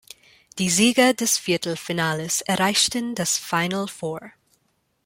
Die Sieger des Viertelfinales erreichten das Final Four.